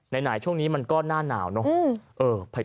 ไหนช่วงนี้มันก็หน้าหนาวเนอะ